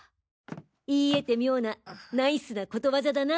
言い得て妙なナイスなことわざだな。